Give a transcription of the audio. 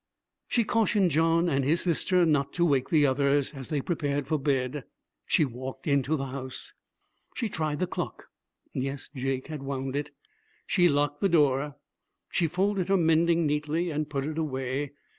She cautioned John and his sister not to wake the others, as they prepared for bed. She walked into the house. She tried the clock. Yes, Jake had wound it. She locked the door. She folded her mending neatly and put it away.